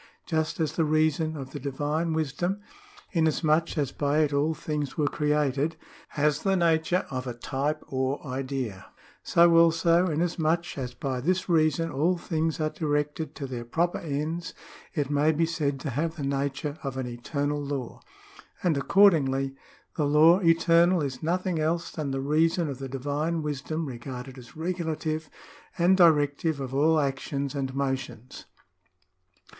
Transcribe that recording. ^" Just as the reason of the divine wisdom, inas much as by it all things were created, has the nature of a type or idea ; so also, inasmuch as by this reason all things are directed to their proper ends, it may be said to have the nature of an eternal law. ... And accordingly the law eternal is nothing else than the reason of the divine wisdom regarded as regulative and directive of all actions and motions."